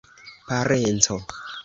parenco